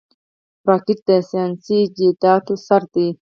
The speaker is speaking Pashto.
راکټ د ساینسي ایجاداتو سر دی